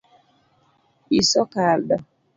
Iso kado